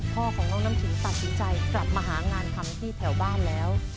พ่อของน้องน้ำขิงตัดสินใจกลับมาหางานทำที่แถวบ้านแล้ว